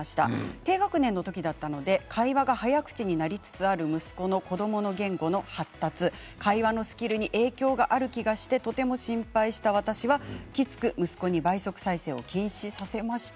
低学年の時だったので会話が早口になりつつ息子の子どもの言語の発達会話のスキルに影響がある気がしてとても心配した私はきつく息子を倍速再生を禁止させました。